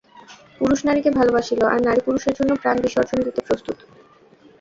পুরুষ নারীকে ভালবাসিল, আর নারী পুরুষের জন্য প্রাণ বিসর্জন দিতে প্রস্তুত।